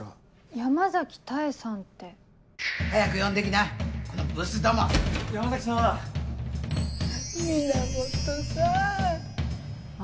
山崎多江さんって。早く呼んで来なこのブスども山崎さん源さんあ。